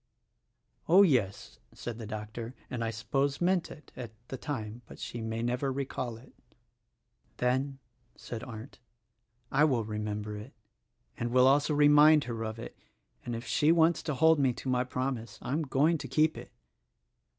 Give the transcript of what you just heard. "Oh, yes," said the doctor, "and I suppose meant it, at the time ; but she may never recall it." "Then," said Arndt, "I will remember it, and will also THE RECORDING ANGEL 39 remind her of it — and if she wants to hold me to my prom ise, I'm going to keep it."